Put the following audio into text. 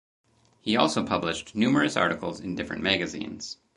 He also published numerous articles in different magazines.